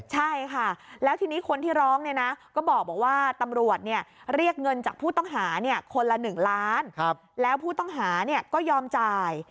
ใช่ค่ะแล้วทีนี้คนที่ร้องเนี่ยนะก็บอกว่าตำรวจเรียกเงินจากผู้ต้องหาคนละ๑ล้านแล้วผู้ต้องหาก็ยอมจ่าย